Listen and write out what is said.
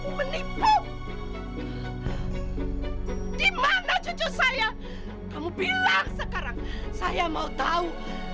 menipu dimana jujur saya kamu bilang sekali saya mau tahu